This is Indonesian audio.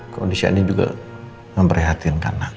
kondisi andi juga memperhatinkan nak